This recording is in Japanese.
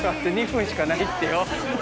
２分しかないってよ。